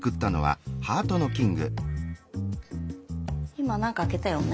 今なんか開けたよね。